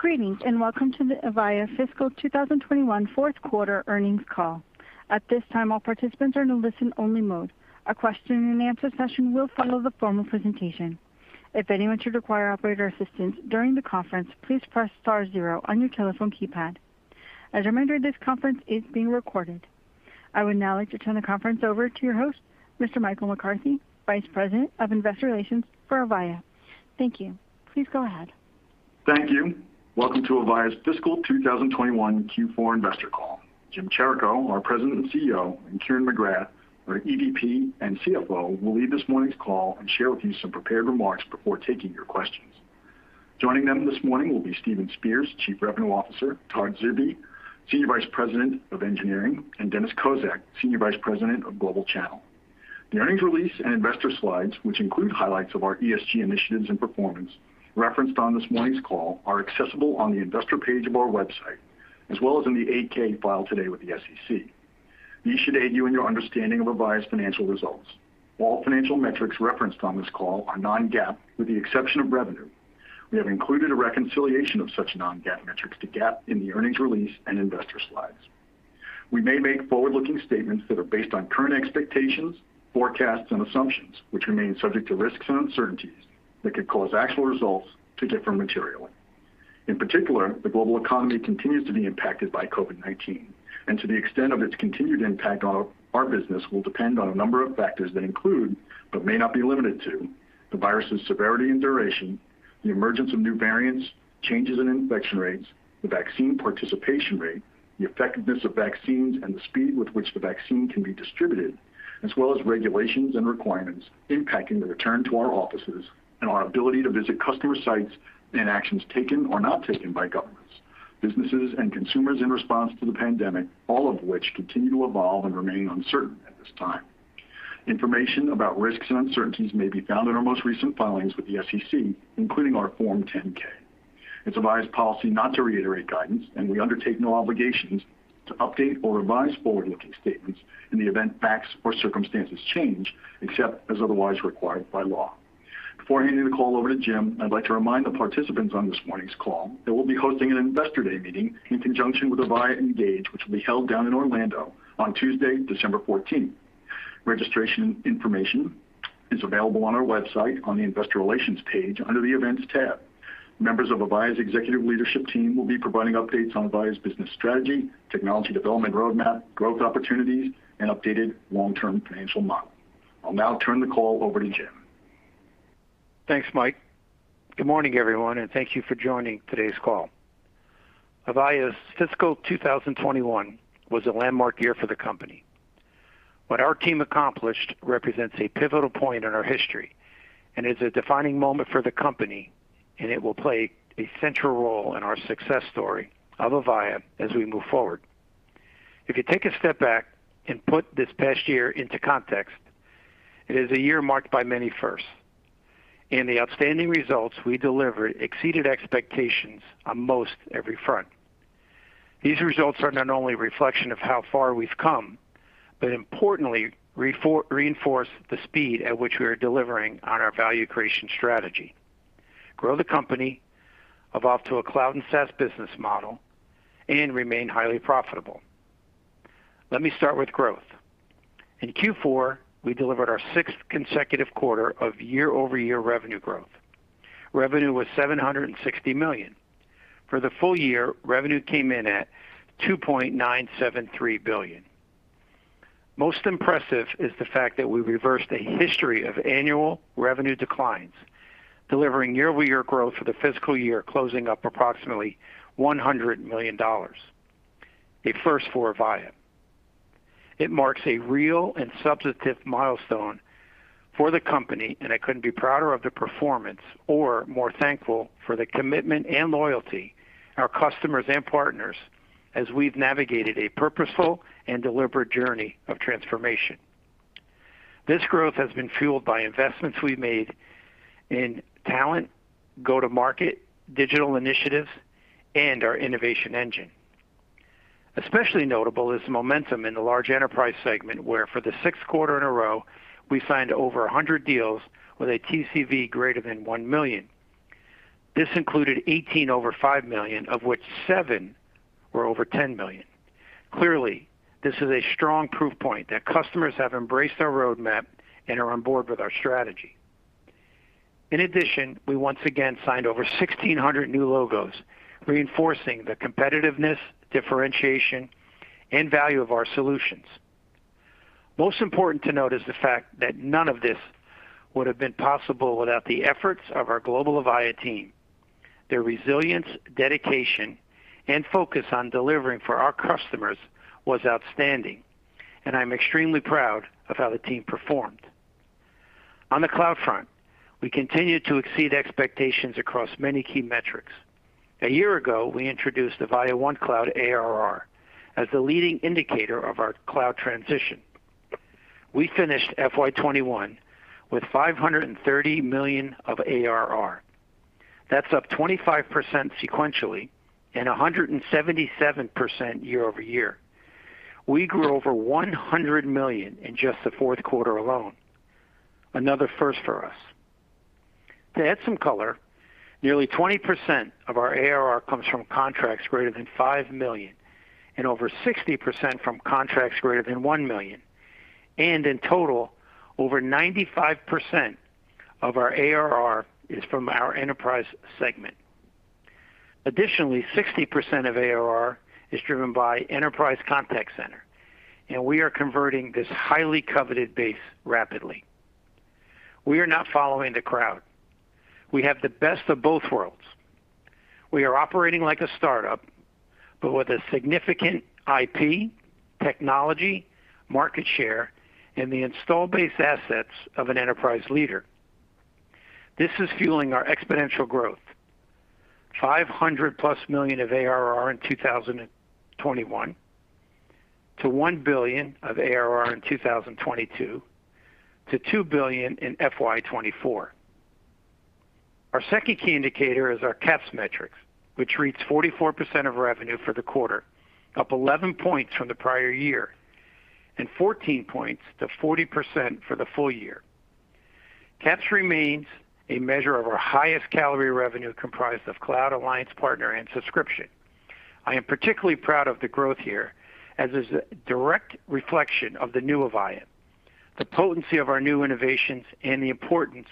Greetings, and welcome to the Avaya Fiscal 2021 Fourth Quarter Earnings Call. At this time, all participants are in a listen-only mode. A question-and-answer session will follow the formal presentation. If anyone should require operator assistance during the conference, please press star zero on your telephone keypad. As a reminder, this conference is being recorded. I would now like to turn the conference over to your host, Mr. Michael McCarthy, Vice President of Investor Relations for Avaya. Thank you. Please go ahead. Thank you. Welcome to Avaya's Fiscal 2021 Q4 investor call. Jim Chirico, our President and CEO, and Kieran McGrath, our EVP and CFO, will lead this morning's call and share with you some prepared remarks before taking your questions. Joining them this morning will be Stephen Spears, Chief Revenue Officer, Todd Zerbe, Senior Vice President of Engineering, and Dennis Kozak, Senior Vice President of Global Channel. The earnings release and investor slides, which include highlights of our ESG initiatives and performance referenced on this morning's call, are accessible on the investor page of our website, as well as in the 8-K filed today with the SEC. These should aid you in your understanding of Avaya's financial results. All financial metrics referenced on this call are non-GAAP, with the exception of revenue. We have included a reconciliation of such non-GAAP metrics to GAAP in the earnings release and investor slides. We may make forward-looking statements that are based on current expectations, forecasts, and assumptions which remain subject to risks and uncertainties that could cause actual results to differ materially. In particular, the global economy continues to be impacted by COVID-19, and to the extent of its continued impact on our business will depend on a number of factors that include, but may not be limited to, the virus's severity and duration, the emergence of new variants, changes in infection rates, the vaccine participation rate, the effectiveness of vaccines, and the speed with which the vaccine can be distributed, as well as regulations and requirements impacting the return to our offices and our ability to visit customer sites and actions taken or not taken by governments, businesses and consumers in response to the pandemic, all of which continue to evolve and remain uncertain at this time. Information about risks and uncertainties may be found in our most recent filings with the SEC, including our Form 10-K. It's Avaya's policy not to reiterate guidance, and we undertake no obligations to update or revise forward-looking statements in the event facts or circumstances change, except as otherwise required by law. Before handing the call over to Jim, I'd like to remind the participants on this morning's call that we'll be hosting an Investor Day meeting in conjunction with Avaya ENGAGE, which will be held down in Orlando on Tuesday, December 14th. Registration information is available on our website on the Investor Relations page under the Events tab. Members of Avaya's executive leadership team will be providing updates on Avaya's business strategy, technology development roadmap, growth opportunities, and updated long-term financial model. I'll now turn the call over to Jim. Thanks, Mike. Good morning, everyone, and thank you for joining today's call. Avaya's fiscal 2021 was a landmark year for the company. What our team accomplished represents a pivotal point in our history and is a defining moment for the company, and it will play a central role in our success story of Avaya as we move forward. If you take a step back and put this past year into context, it is a year marked by many firsts, and the outstanding results we delivered exceeded expectations on most every front. These results are not only a reflection of how far we've come, but importantly reinforce the speed at which we are delivering on our value creation strategy, grow the company, evolve to a cloud and SaaS business model, and remain highly profitable. Let me start with growth. In Q4, we delivered our sixth consecutive quarter of year-over-year revenue growth. Revenue was $760 million. For the full year, revenue came in at $2.973 billion. Most impressive is the fact that we reversed a history of annual revenue declines, delivering year-over-year growth for the fiscal year, closing up approximately $100 million. A first for Avaya. It marks a real and substantive milestone for the company, and I couldn't be prouder of the performance or more thankful for the commitment and loyalty our customers and partners as we've navigated a purposeful and deliberate journey of transformation. This growth has been fueled by investments we made in talent, go-to-market digital initiatives, and our innovation engine. Especially notable is the momentum in the large enterprise segment, where for the sixth quarter in a row, we signed over 100 deals with a TCV greater than $1 million. This included 18 over $5 million, of which seven were over $10 million. Clearly, this is a strong proof point that customers have embraced our roadmap and are on board with our strategy. In addition, we once again signed over 1,600 new logos, reinforcing the competitiveness, differentiation, and value of our solutions. Most important to note is the fact that none of this would have been possible without the efforts of our global Avaya team. Their resilience, dedication, and focus on delivering for our customers was outstanding, and I'm extremely proud of how the team performed. On the cloud front, we continued to exceed expectations across many key metrics. A year ago, we introduced Avaya OneCloud ARR as the leading indicator of our cloud transition. We finished FY 2021 with $530 million of ARR. That's up 25% sequentially and 177% year-over-year. We grew over $100 million in just the fourth quarter alone. Another first for us. To add some color, nearly 20% of our ARR comes from contracts greater than $5 million and over 60% from contracts greater than $1 million. In total, over 95% of our ARR is from our enterprise segment. Additionally, 60% of ARR is driven by enterprise contact center, and we are converting this highly coveted base rapidly. We are not following the crowd. We have the best of both worlds. We are operating like a startup, but with a significant IP, technology, market share, and the install base assets of an enterprise leader. This is fueling our exponential growth. $500+ million of ARR in 2021 to $1 billion of ARR in 2022 to $2 billion in FY 2024. Our second key indicator is our CAPS metrics, which reads 44% of revenue for the quarter, up 11 points from the prior year and 14 points to 40% for the full year. CAPS remains a measure of our highest caliber revenue comprised of cloud alliance partner and subscription. I am particularly proud of the growth here as it is a direct reflection of the new Avaya, the potency of our new innovations, and the importance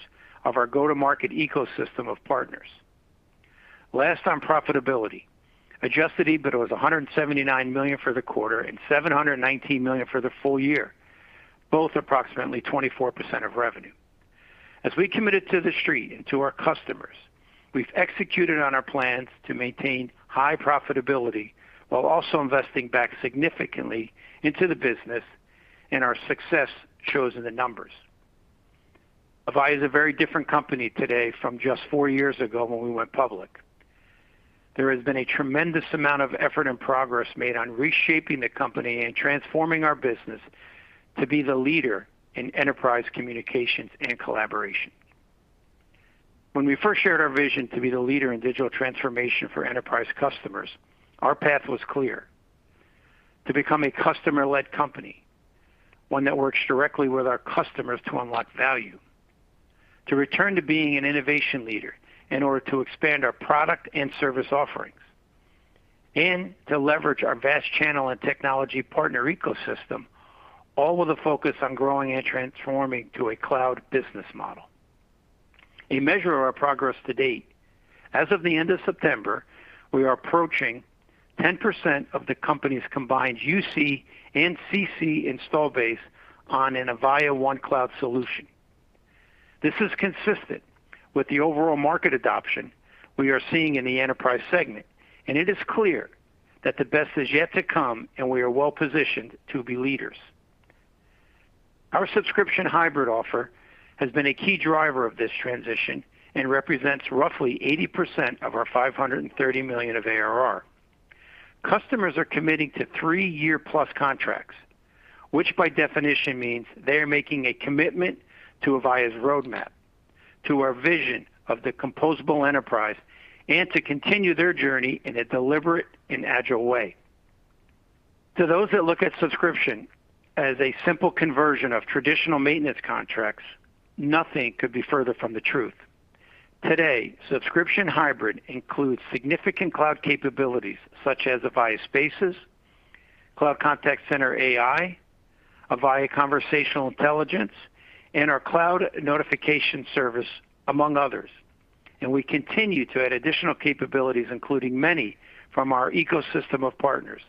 of our go-to-market ecosystem of partners. Last on profitability. Adjusted EBIT was $179 million for the quarter and $719 million for the full year, both approximately 24% of revenue. As we committed to the street and to our customers, we've executed on our plans to maintain high profitability while also investing back significantly into the business, and our success shows in the numbers. Avaya is a very different company today from just four years ago when we went public. There has been a tremendous amount of effort and progress made on reshaping the company and transforming our business to be the leader in enterprise communications and collaboration. When we first shared our vision to be the leader in digital transformation for enterprise customers, our path was clear. To become a customer-led company, one that works directly with our customers to unlock value, to return to being an innovation leader in order to expand our product and service offerings, and to leverage our vast channel and technology partner ecosystem, all with a focus on growing and transforming to a cloud business model. A measure of our progress to date, as of the end of September, we are approaching 10% of the company's combined UC and CC install base on an Avaya OneCloud solution. This is consistent with the overall market adoption we are seeing in the enterprise segment, and it is clear that the best is yet to come and we are well-positioned to be leaders. Our subscription hybrid offer has been a key driver of this transition and represents roughly 80% of our $530 million of ARR. Customers are committing to three-year-plus contracts, which by definition means they are making a commitment to Avaya's roadmap, to our vision of the composable enterprise, and to continue their journey in a deliberate and agile way. To those that look at subscription as a simple conversion of traditional maintenance contracts, nothing could be further from the truth. Today, subscription hybrid includes significant cloud capabilities such as Avaya Spaces, Cloud Contact Center AI, Avaya Conversational Intelligence, and our cloud notification service, among others. We continue to add additional capabilities, including many from our ecosystem of partners.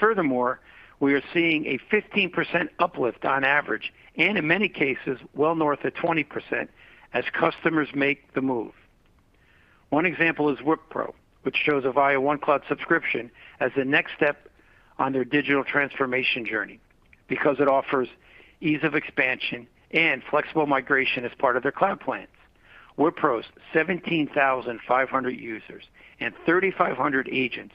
Furthermore, we are seeing a 15% uplift on average, and in many cases, well north of 20% as customers make the move. One example is Wipro, which chose Avaya OneCloud subscription as the next step on their digital transformation journey because it offers ease of expansion and flexible migration as part of their cloud plans. Wipro's 17,500 users and 3,500 agents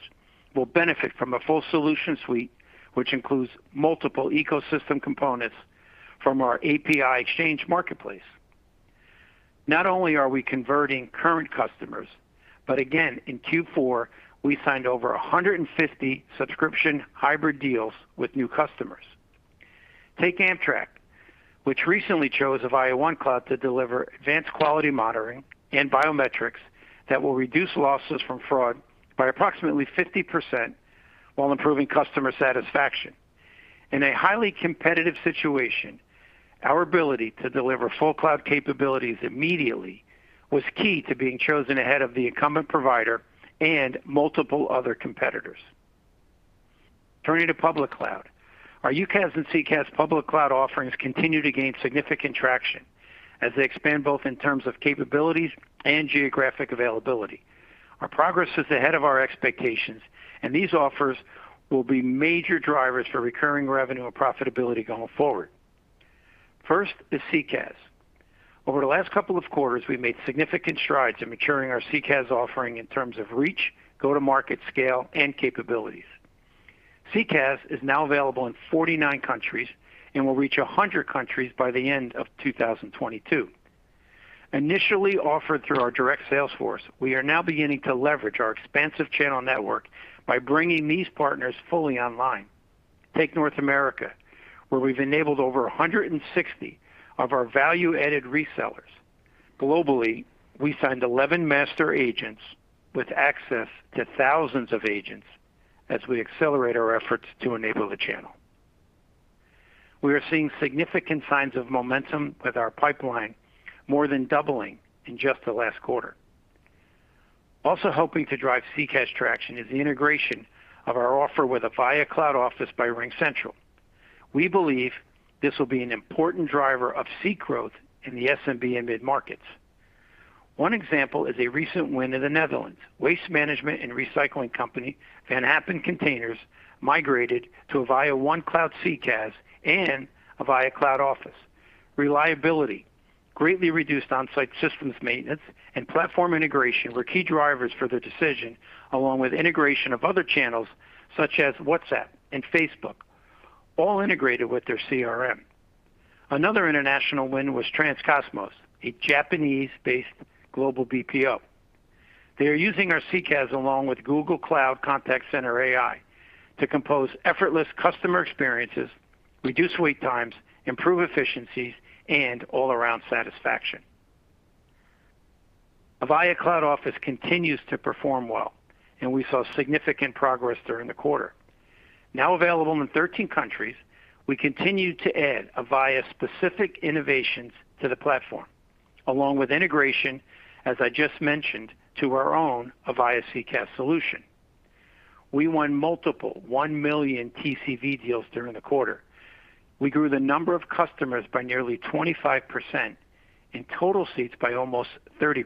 will benefit from a full solution suite, which includes multiple ecosystem components from our API Exchange marketplace. Not only are we converting current customers, but again, in Q4, we signed over 150 subscription hybrid deals with new customers. Take Amtrak, which recently chose Avaya OneCloud to deliver advanced quality monitoring and biometrics that will reduce losses from fraud by approximately 50% while improving customer satisfaction. In a highly competitive situation, our ability to deliver full cloud capabilities immediately was key to being chosen ahead of the incumbent provider and multiple other competitors. Turning to public cloud. Our UCaaS and CCaaS public cloud offerings continue to gain significant traction as they expand both in terms of capabilities and geographic availability. Our progress is ahead of our expectations, and these offers will be major drivers for recurring revenue and profitability going forward. First is CCaaS. Over the last couple of quarters, we've made significant strides in maturing our CCaaS offering in terms of reach, go-to-market scale, and capabilities. CCaaS is now available in 49 countries and will reach 100 countries by the end of 2022. Initially offered through our direct sales force, we are now beginning to leverage our expansive channel network by bringing these partners fully online. Take North America, where we've enabled over 160 of our value-added resellers. Globally, we signed 11 master agents with access to thousands of agents as we accelerate our efforts to enable the channel. We are seeing significant signs of momentum with our pipeline more than doubling in just the last quarter. Also helping to drive CCaaS traction is the integration of our offer with Avaya Cloud Office by RingCentral. We believe this will be an important driver of seat growth in the SMB and mid-markets. One example is a recent win in the Netherlands. Waste management and recycling company Van Gansewinkel Containers migrated to Avaya OneCloud CCaaS and Avaya Cloud Office. Reliability, greatly reduced on-site systems maintenance, and platform integration were key drivers for their decision, along with integration of other channels such as WhatsApp and Facebook, all integrated with their CRM. Another international win was transcosmos, a Japanese-based global BPO. They are using our CCaaS along with Google Cloud Contact Center AI to compose effortless customer experiences, reduce wait times, improve efficiencies, and all around satisfaction. Avaya Cloud Office continues to perform well, and we saw significant progress during the quarter. Now available in 13 countries, we continue to add Avaya-specific innovations to the platform, along with integration, as I just mentioned, to our own Avaya CCaaS solution. We won multiple $1 million TCV deals during the quarter. We grew the number of customers by nearly 25%, in total seats by almost 30%.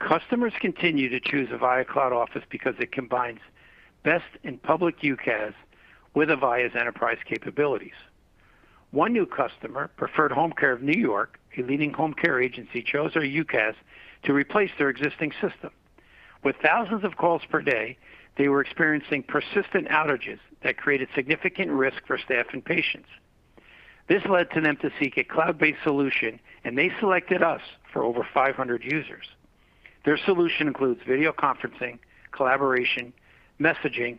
Customers continue to choose Avaya Cloud Office because it combines best-in-public UCaaS with Avaya's enterprise capabilities. One new customer, Preferred Home Care of New York, a leading home care agency, chose our UCaaS to replace their existing system. With thousands of calls per day, they were experiencing persistent outages that created significant risk for staff and patients. This led them to seek a cloud-based solution, and they selected us for over 500 users. Their solution includes video conferencing, collaboration, messaging,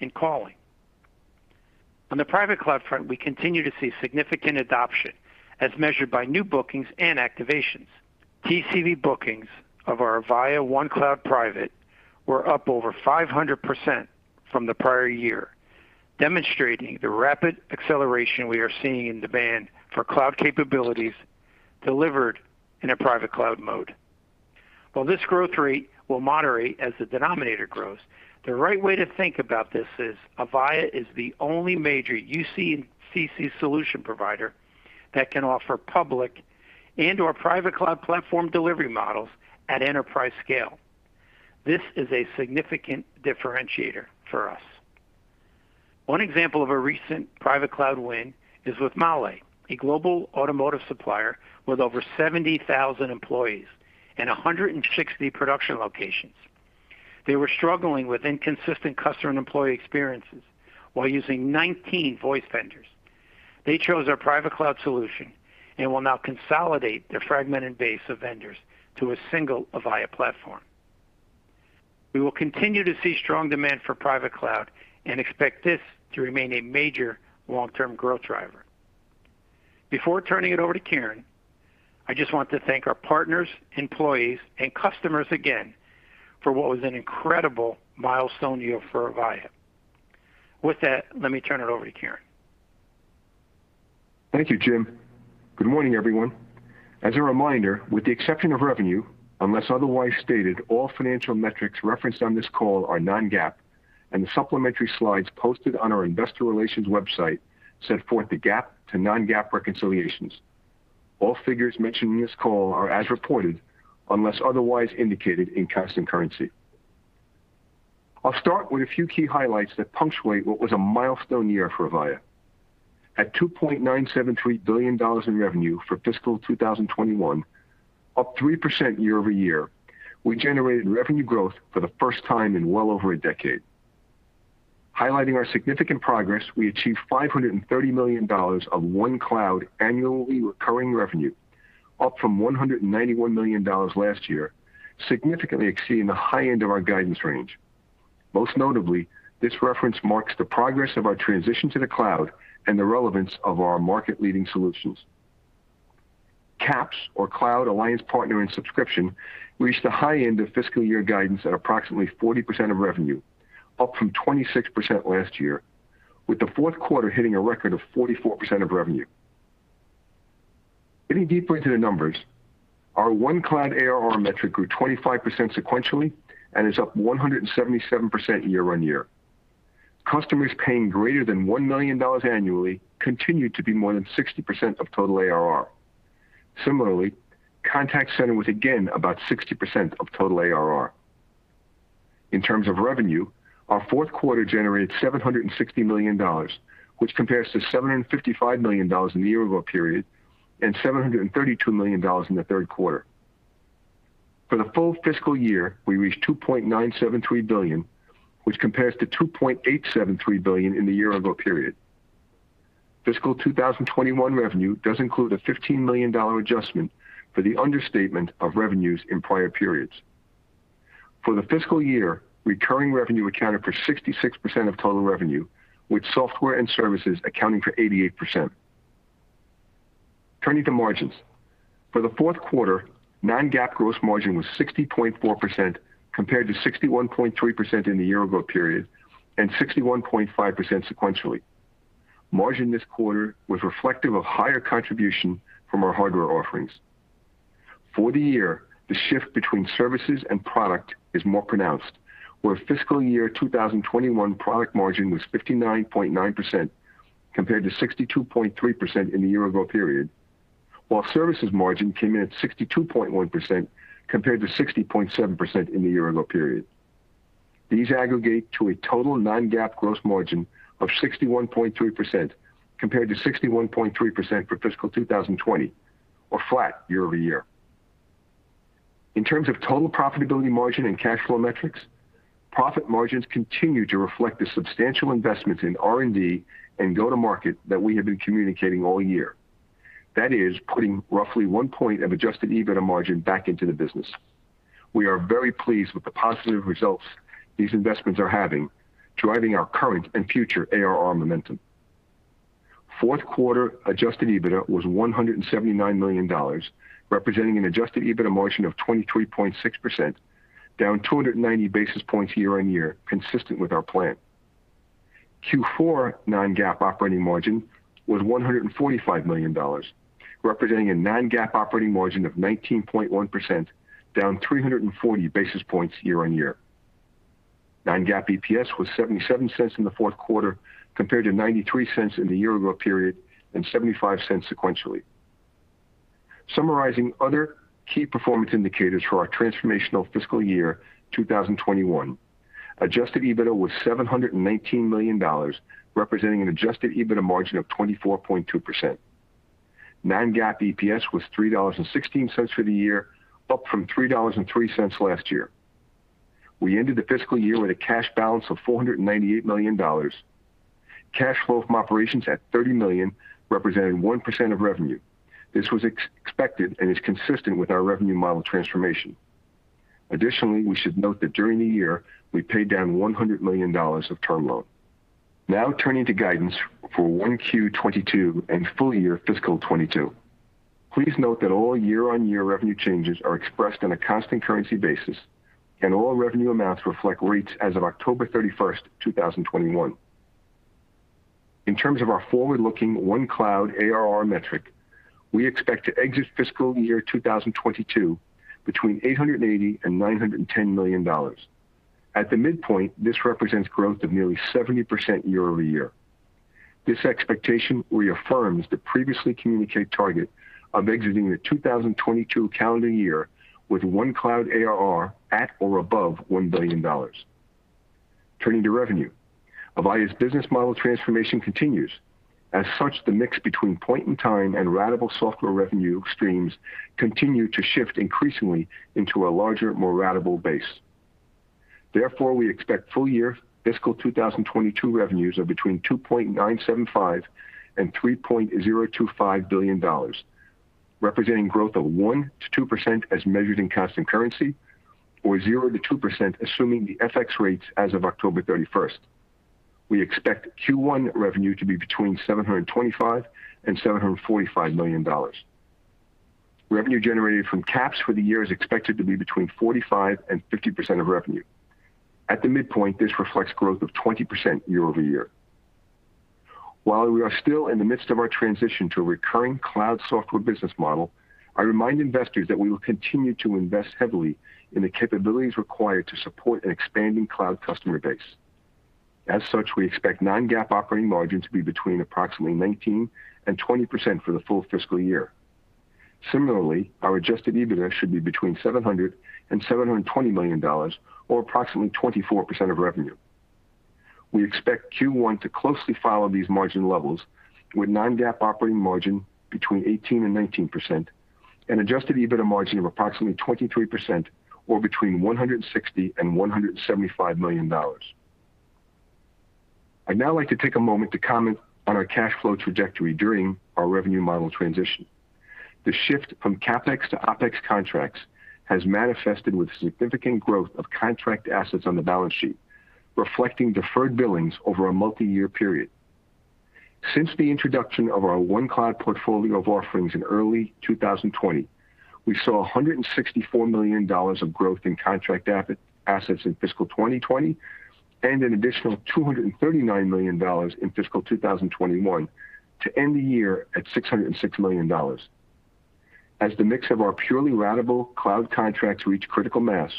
and calling. On the private cloud front, we continue to see significant adoption as measured by new bookings and activations. TCV bookings of our Avaya OneCloud Private were up over 500% from the prior year, demonstrating the rapid acceleration we are seeing in demand for cloud capabilities delivered in a private cloud mode. While this growth rate will moderate as the denominator grows, the right way to think about this is Avaya is the only major UC and CC solution provider that can offer public and/or private cloud platform delivery models at enterprise scale. This is a significant differentiator for us. One example of a recent private cloud win is with MAHLE, a global automotive supplier with over 70,000 employees and 160 production locations. They were struggling with inconsistent customer and employee experiences while using 19 voice vendors. They chose our private cloud solution and will now consolidate their fragmented base of vendors to a single Avaya platform. We will continue to see strong demand for private cloud and expect this to remain a major long-term growth driver. Before turning it over to Kieran, I just want to thank our partners, employees, and customers again for what was an incredible milestone year for Avaya. With that, let me turn it over to Kieran. Thank you, Jim. Good morning, everyone. As a reminder, with the exception of revenue, unless otherwise stated, all financial metrics referenced on this call are non-GAAP, and the supplementary slides posted on our investor relations website set forth the GAAP to non-GAAP reconciliations. All figures mentioned in this call are as reported unless otherwise indicated in constant currency. I'll start with a few key highlights that punctuate what was a milestone year for Avaya. At $2.973 billion in revenue for fiscal 2021, up 3% year-over-year, we generated revenue growth for the first time in well over a decade. Highlighting our significant progress, we achieved $530 million of OneCloud annually recurring revenue, up from $191 million last year, significantly exceeding the high end of our guidance range. Most notably, this reference marks the progress of our transition to the cloud and the relevance of our market-leading solutions. CAPS or Cloud Alliance Partner and Subscription reached the high end of fiscal year guidance at approximately 40% of revenue, up from 26% last year, with the fourth quarter hitting a record of 44% of revenue. Getting deeper into the numbers, our OneCloud ARR metric grew 25% sequentially and is up 177% year-on-year. Customers paying greater than $1 million annually continued to be more than 60% of total ARR. Similarly, contact center was again about 60% of total ARR. In terms of revenue, our fourth quarter generated $760 million, which compares to $755 million in the year-over-year period and $732 million in the third quarter. For the full fiscal year, we reached $2.973 billion, which compares to $2.873 billion in the year-ago period. Fiscal 2021 revenue does include a $15 million adjustment for the understatement of revenues in prior periods. For the fiscal year, recurring revenue accounted for 66% of total revenue, with software and services accounting for 88%. Turning to margins. For the fourth quarter, non-GAAP gross margin was 60.4% compared to 61.3% in the year-ago period, and 61.5% sequentially. Margin this quarter was reflective of higher contribution from our hardware offerings. For the year, the shift between services and product is more pronounced, where fiscal year 2021 product margin was 59.9% compared to 62.3% in the year-ago period, while services margin came in at 62.1% compared to 60.7% in the year-ago period. These aggregate to a total non-GAAP gross margin of 61.3% compared to 61.3% for fiscal 2020 or flat year-over-year. In terms of total profitability margin and cash flow metrics, profit margins continue to reflect the substantial investment in R&D and go-to-market that we have been communicating all year. That is putting roughly one point of adjusted EBITDA margin back into the business. We are very pleased with the positive results these investments are having, driving our current and future ARR momentum. Fourth quarter adjusted EBITDA was $179 million, representing an adjusted EBITDA margin of 23.6%, down 290 basis points year-on-year, consistent with our plan. Q4 non-GAAP operating margin was $145 million, representing a non-GAAP operating margin of 19.1%, down 340 basis points year-on-year. Non-GAAP EPS was $0.77 in the fourth quarter compared to $0.93 in the year-ago period and $0.75 sequentially. Summarizing other key performance indicators for our transformational fiscal year 2021. Adjusted EBITDA was $719 million, representing an adjusted EBITDA margin of 24.2%. Non-GAAP EPS was $3.16 for the year, up from $3.03 last year. We ended the fiscal year with a cash balance of $498 million. Cash flow from operations at $30 million, representing 1% of revenue. This was expected and is consistent with our revenue model transformation. Additionally, we should note that during the year, we paid down $100 million of term loan. Now turning to guidance for 1Q 2022 and full-year FY 2022. Please note that all year-over-year revenue changes are expressed on a constant currency basis, and all revenue amounts reflect rates as of October 31st, 2021. In terms of our forward-looking OneCloud ARR metric, we expect to exit FY 2022 between $880 million and $910 million. At the midpoint, this represents growth of nearly 70% year-over-year. This expectation reaffirms the previously communicated target of exiting the 2022 calendar year with OneCloud ARR at or above $1 billion. Turning to revenue. Avaya's business model transformation continues. As such, the mix between point-in-time and ratable software revenue streams continues to shift increasingly into a larger, more ratable base. Therefore, we expect full year fiscal 2022 revenues of between $2.975 billion and $3.025 billion, representing growth of 1%-2% as measured in constant currency, or 0%-2% assuming the FX rates as of October 31st. We expect Q1 revenue to be between $725 million and $745 million. Revenue generated from CAPS for the year is expected to be between 45% and 50% of revenue. At the midpoint, this reflects growth of 20% year-over-year. While we are still in the midst of our transition to a recurring cloud software business model, I remind investors that we will continue to invest heavily in the capabilities required to support an expanding cloud customer base. As such, we expect non-GAAP operating margin to be between approximately 19% and 20% for the full fiscal year. Similarly, our adjusted EBITDA should be between $700 million and $720 million or approximately 24% of revenue. We expect Q1 to closely follow these margin levels with non-GAAP operating margin between 18% and 19% and adjusted EBITDA margin of approximately 23% or between $160 million and $175 million. I'd now like to take a moment to comment on our cash flow trajectory during our revenue model transition. The shift from CapEx to OpEx contracts has manifested with significant growth of contract assets on the balance sheet, reflecting deferred billings over a multi-year period. Since the introduction of our OneCloud portfolio of offerings in early 2020, we saw $164 million of growth in contract assets in fiscal 2020 and an additional $239 million in fiscal 2021 to end the year at $606 million. As the mix of our purely ratable cloud contracts reach critical mass,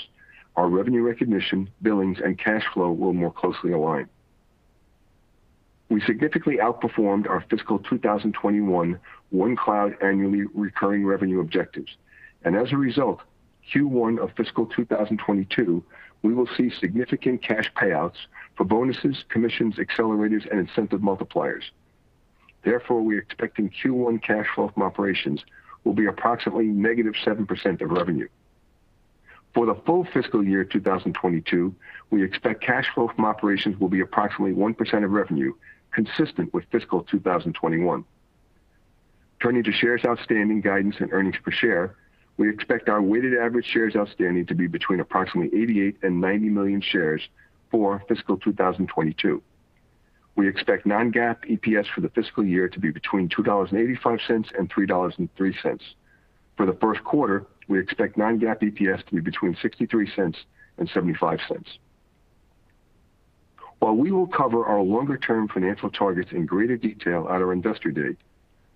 our revenue recognition, billings, and cash flow will more closely align. We significantly outperformed our fiscal 2021 OneCloud annually recurring revenue objectives. As a result, Q1 of fiscal 2022, we will see significant cash payouts for bonuses, commissions, accelerators, and incentive multipliers. Therefore, we're expecting Q1 cash flow from operations will be approximately negative 7% of revenue. For the full fiscal year 2022, we expect cash flow from operations will be approximately 1% of revenue, consistent with fiscal 2021. Turning to shares outstanding guidance and earnings per share, we expect our weighted average shares outstanding to be between approximately 88 and 90 million shares for fiscal 2022. We expect non-GAAP EPS for the fiscal year to be between $2.85 and $3.03. For the first quarter, we expect non-GAAP EPS to be between $0.63 and $0.75. While we will cover our longer-term financial targets in greater detail at our Investor Day,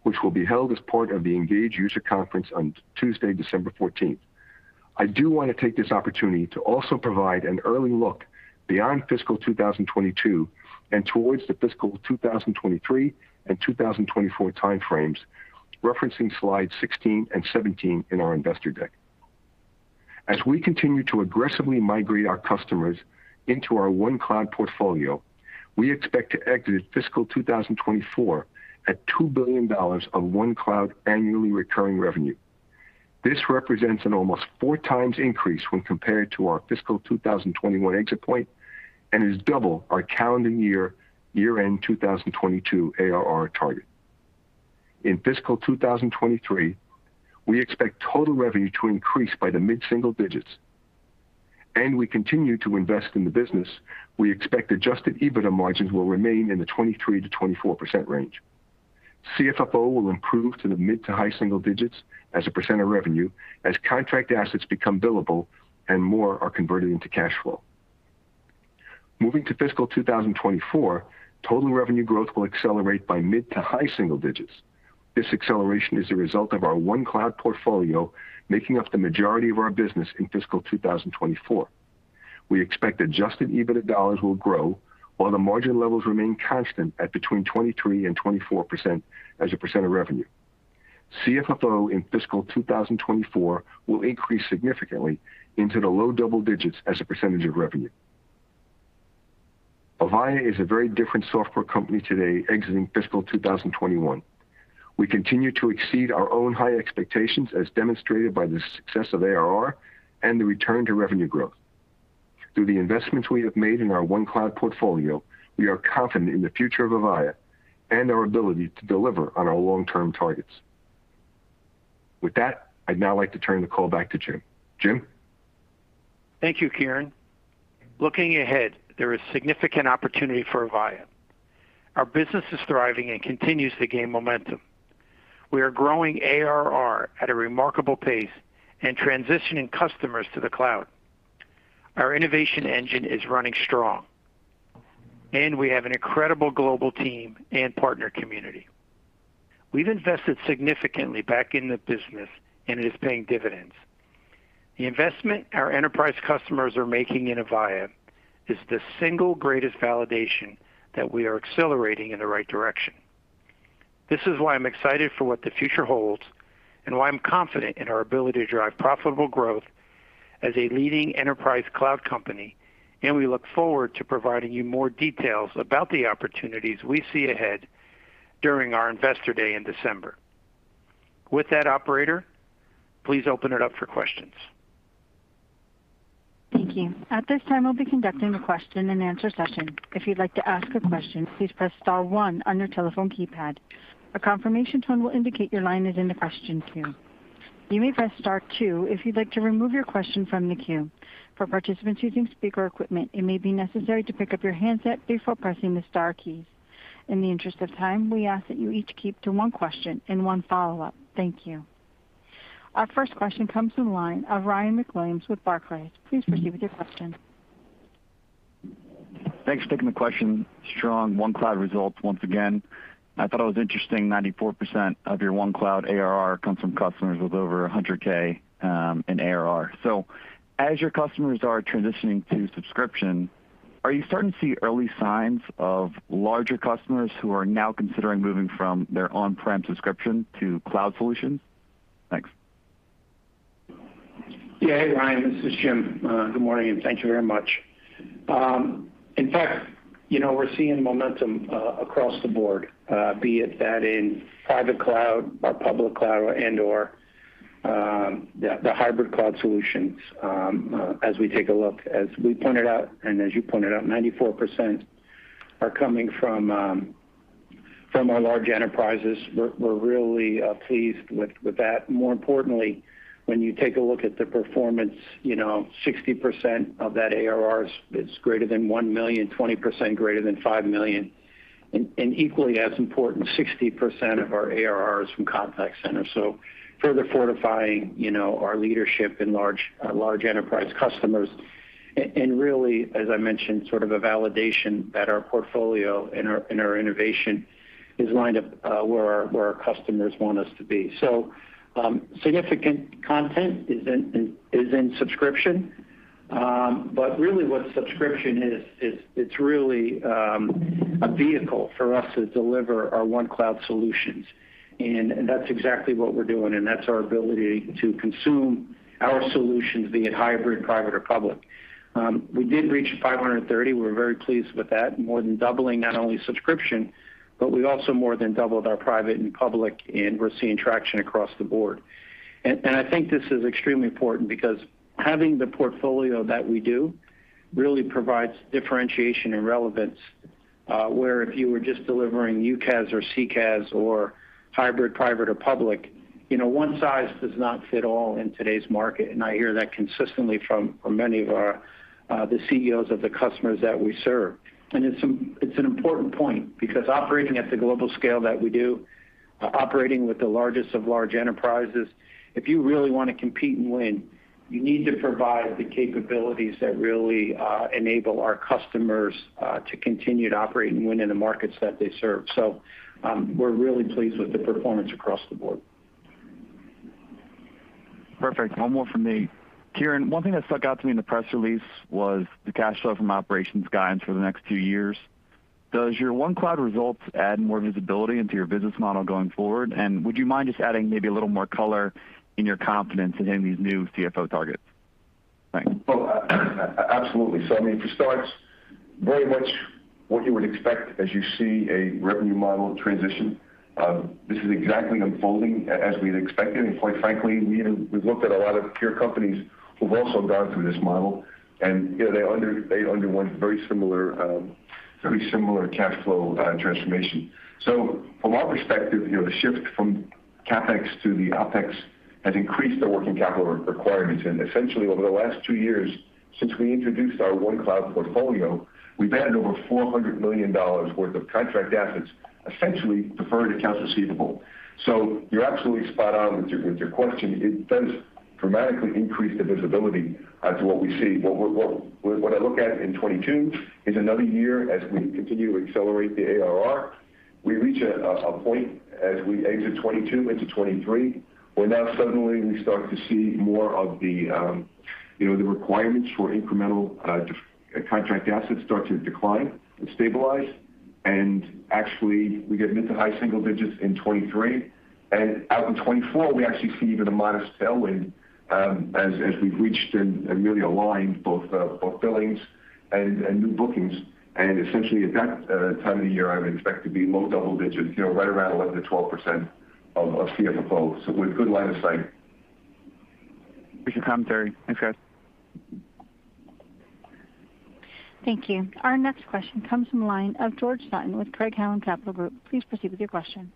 which will be held as part of the ENGAGE User Conference on Tuesday, December 14th, I do wanna take this opportunity to also provide an early look beyond fiscal 2022 and towards the fiscal 2023 and 2024 time frames, referencing slide 16 and 17 in our investor deck. As we continue to aggressively migrate our customers into our OneCloud portfolio, we expect to exit fiscal 2024 at $2 billion of OneCloud annually recurring revenue. This represents an almost 4x increase when compared to our fiscal 2021 exit point, and is double our calendar year-end 2022 ARR target. In fiscal 2023, we expect total revenue to increase by the mid-single digits. We continue to invest in the business, we expect adjusted EBITDA margins will remain in the 23%-24% range. CFFO will improve to the mid- to high-single digits as a percent of revenue as contract assets become billable and more are converted into cash flow. Moving to fiscal 2024, total revenue growth will accelerate by mid- to high-single digits. This acceleration is a result of our OneCloud portfolio making up the majority of our business in fiscal 2024. We expect adjusted EBITDA dollars will grow while the margin levels remain constant at between 23% and 24% as a percent of revenue. CFFO in fiscal 2024 will increase significantly into the low double digits as a percentage of revenue. Avaya is a very different software company today exiting fiscal 2021. We continue to exceed our own high expectations as demonstrated by the success of ARR and the return to revenue growth. Through the investments we have made in our OneCloud portfolio, we are confident in the future of Avaya and our ability to deliver on our long-term targets. With that, I'd now like to turn the call back to Jim. Jim? Thank you, Kieran. Looking ahead, there is significant opportunity for Avaya. Our business is thriving and continues to gain momentum. We are growing ARR at a remarkable pace and transitioning customers to the cloud. Our innovation engine is running strong, and we have an incredible global team and partner community. We've invested significantly back in the business, and it is paying dividends. The investment our enterprise customers are making in Avaya is the single greatest validation that we are accelerating in the right direction. This is why I'm excited for what the future holds and why I'm confident in our ability to drive profitable growth as a leading enterprise cloud company, and we look forward to providing you more details about the opportunities we see ahead during our Investor Day in December. With that, operator, please open it up for questions. Thank you. At this time, we'll be conducting a question-and-answer session. If you'd like to ask a question, please press star one on your telephone keypad. A confirmation tone will indicate your line is in the question queue. You may press star two if you'd like to remove your question from the queue. For participants using speaker equipment, it may be necessary to pick up your handset before pressing the star keys. In the interest of time, we ask that you each keep to one question and one follow-up. Thank you. Our first question comes from the line of Ryan MacWilliams with Barclays. Please proceed with your question. Thanks for taking the question. Strong OneCloud results once again. I thought it was interesting, 94% of your OneCloud ARR comes from customers with over 100K in ARR. As your customers are transitioning to subscription, are you starting to see early signs of larger customers who are now considering moving from their on-prem subscription to cloud solutions? Thanks. Yeah. Hey, Ryan, this is Jim. Good morning, and thank you very much. In fact, you know, we're seeing momentum across the board, be it in private cloud or public cloud and/or the hybrid cloud solutions as we take a look. As we pointed out, and as you pointed out, 94% are coming from our large enterprises. We're really pleased with that. More importantly, when you take a look at the performance, you know, 60% of that ARR is greater than $1 million, 20% greater than $5 million. Equally as important, 60% of our ARR is from contact centers, so further fortifying you know, our leadership in large enterprise customers. Really, as I mentioned, sort of a validation that our portfolio and our innovation is lined up where our customers want us to be. Significant content is in subscription, but really what subscription is, it's really a vehicle for us to deliver our OneCloud solutions. That's exactly what we're doing, and that's our ability to consume our solutions, be it hybrid, private or public. We did reach 530. We're very pleased with that, more than doubling not only subscription, but we also more than doubled our private and public, and we're seeing traction across the board. I think this is extremely important because having the portfolio that we do really provides differentiation and relevance, where if you were just delivering UCaaS or CCaaS or hybrid, private or public, you know, one size does not fit all in today's market. I hear that consistently from many of our the CEOs of the customers that we serve. It's an important point because operating at the global scale that we do, operating with the largest of large enterprises, if you really wanna compete and win, you need to provide the capabilities that really enable our customers to continue to operate and win in the markets that they serve. We're really pleased with the performance across the board. Perfect. One more from me. Kieran, one thing that stuck out to me in the press release was the cash flow from operations guidance for the next two years. Does your OneCloud results add more visibility into your business model going forward? Would you mind just adding maybe a little more color in your confidence in hitting these new CFO targets? Thanks. Well, absolutely. I mean, to start, very much what you would expect as you see a revenue model transition. This is exactly unfolding as we'd expected. Quite frankly, we've looked at a lot of peer companies who've also gone through this model, and, you know, they underwent very similar cash flow transformation. From our perspective, you know, the shift from CapEx to OpEx has increased our working capital requirements. Essentially, over the last two years since we introduced our OneCloud portfolio, we've added over $400 million worth of contract assets, essentially deferred accounts receivable. You're absolutely spot on with your question. It does dramatically increase the visibility as what we see. What I look at in 2022 is another year as we continue to accelerate the ARR. We reach a point as we exit 2022 into 2023, where now suddenly we start to see more of the you know the requirements for incremental contract assets start to decline and stabilize. Actually, we get mid- to high-single digits% in 2023. Out in 2024, we actually see even a modest tailwind as we've reached and really aligned both billings and new bookings. Essentially at that time of the year, I would expect to be low-double digits you know right around 11%-12% of CFFO. With good line of sight. Appreciate the commentary. Thanks, guys. Thank you. Our next question comes from the line of George Sutton with Craig-Hallum Capital Group. Please proceed with your question.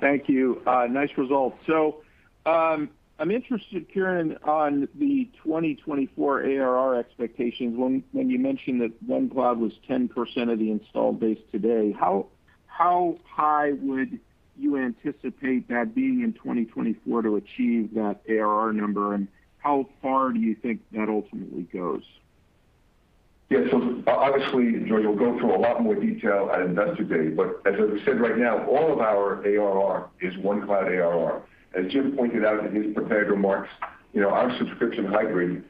Thank you. Nice result. I'm interested, Kieran, on the 2024 ARR expectations. When you mentioned that OneCloud was 10% of the installed base today, how high would you anticipate that being in 2024 to achieve that ARR number? How far do you think that ultimately goes? Obviously, George, we'll go through a lot more detail at Investor Day. As I said right now, all of our ARR is OneCloud ARR. As Jim pointed out in his prepared remarks, you know, our subscription hybrid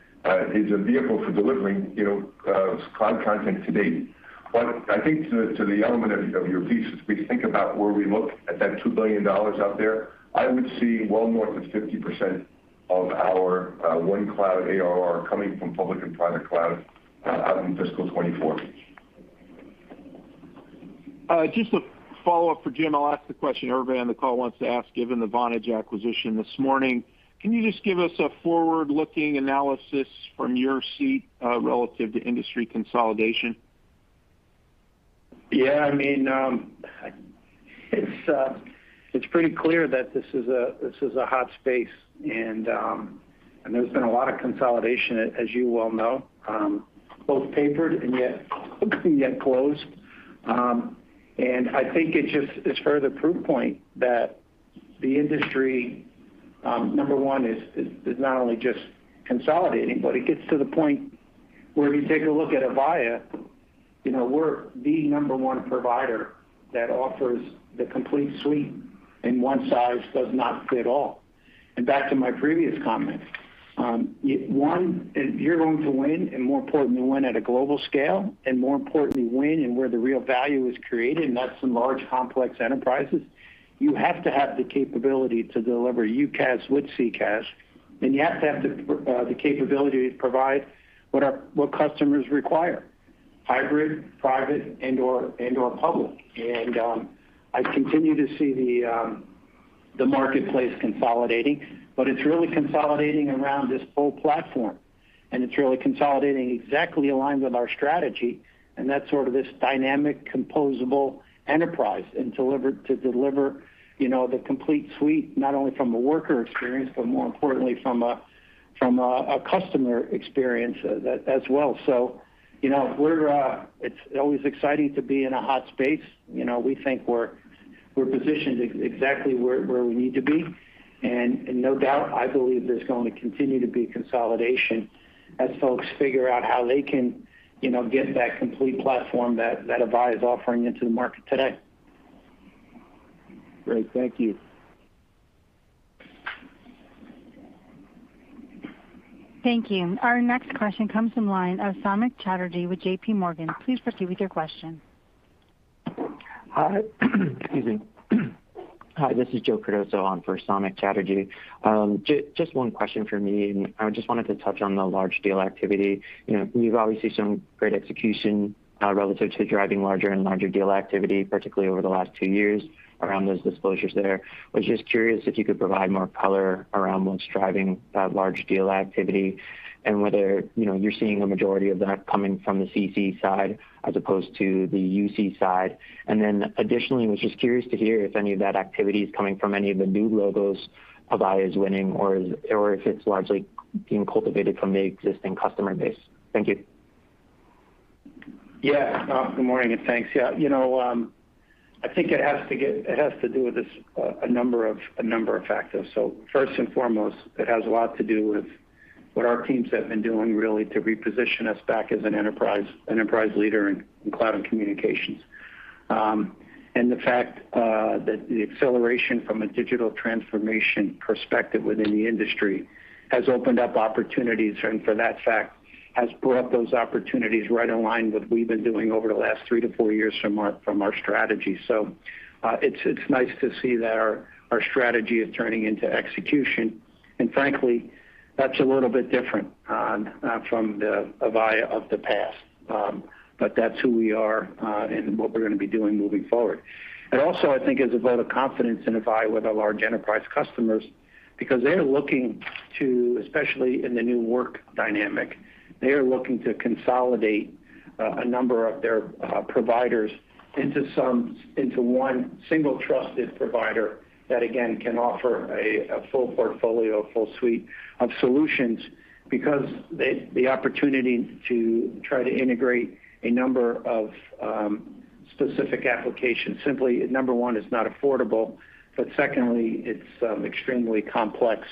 is a vehicle for delivering, you know, cloud content today. I think to the element of your piece, as we think about where we look at that $2 billion out there, I would see well more than 50% of our OneCloud ARR coming from public and private cloud out in fiscal 2024. Just a follow-up for Jim. I'll ask the question everybody on the call wants to ask, given the Vonage acquisition this morning. Can you just give us a forward-looking analysis from your seat, relative to industry consolidation? Yeah, I mean, it's pretty clear that this is a hot space, and there's been a lot of consolidation, as you well know, both papered and yet closed. I think it just is further proof point that the industry, number one, is not only just consolidating, but it gets to the point where if you take a look at Avaya, you know, we're the number one provider that offers the complete suite, and one size does not fit all. Back to my previous comment, if you're going to win, and more importantly, win at a global scale, and more importantly win in where the real value is created, and that's in large, complex enterprises, you have to have the capability to deliver UCaaS with CCaaS, and you have to have the capability to provide what customers require, hybrid, private and/or public. I continue to see the marketplace consolidating, but it's really consolidating around this whole platform, and it's really consolidating exactly aligned with our strategy, and that's sort of this dynamic composable enterprise to deliver, you know, the complete suite, not only from a worker experience, but more importantly from a customer experience as well. You know, it's always exciting to be in a hot space. You know, we think we're positioned exactly where we need to be. No doubt, I believe there's going to continue to be consolidation as folks figure out how they can, you know, get that complete platform that Avaya is offering into the market today. Great. Thank you. Thank you. Our next question comes from the line of Samik Chatterjee with J.P. Morgan. Please proceed with your question. Hi. Excuse me. Hi, this is Joe Cardoso on for Samik Chatterjee. Just one question for me, and I just wanted to touch on the large deal activity. You know, you've obviously some great execution relative to driving larger and larger deal activity, particularly over the last two years around those disclosures there. I was just curious if you could provide more color around what's driving that large deal activity and whether, you know, you're seeing a majority of that coming from the CC side as opposed to the UC side. Additionally, I was just curious to hear if any of that activity is coming from any of the new logos Avaya is winning or if it's largely being cultivated from the existing customer base. Thank you. Yeah. Good morning and thanks. Yeah, you know, I think it has to do with this, a number of factors. First and foremost, it has a lot to do with what our teams have been doing really to reposition us back as an enterprise leader in cloud and communications. The fact that the acceleration from a digital transformation perspective within the industry has opened up opportunities, and for that fact, has brought those opportunities right in line with what we've been doing over the last three to four years from our strategy. It's nice to see that our strategy is turning into execution. Frankly, that's a little bit different from the Avaya of the past. That's who we are and what we're gonna be doing moving forward. It also, I think, is a vote of confidence in Avaya with our large enterprise customers because they're looking to, especially in the new work dynamic, they are looking to consolidate a number of their providers into one single trusted provider that again can offer a full portfolio, a full suite of solutions because they the opportunity to try to integrate a number of specific applications simply, number one, is not affordable. Secondly, it's extremely complex